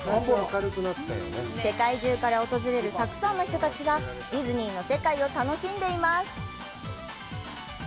世界中から訪れるたくさんの人たちがディズニーの世界を楽しんでいます。